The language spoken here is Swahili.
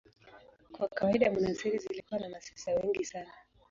Kwa kawaida monasteri zilikuwa na masista wengi sana.